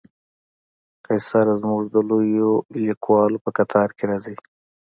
قیصر زموږ د لویو لیکوالو په قطار کې راځي.